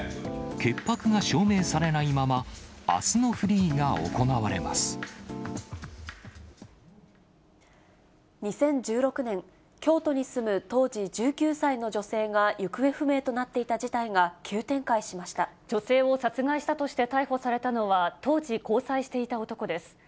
潔白が証明されないまま、あすの２０１６年、京都に住む当時１９歳の女性が行方不明となっていた事態が急展開女性を殺害したとして逮捕されたのは、当時交際していた男です。